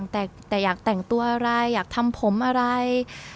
แต่อยากแต่งตัวอะไรอยากทำผมอะไร